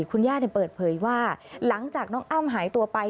คุณย่าเปิดเผยว่าหลังจากน้องอ้ำหายตัวไป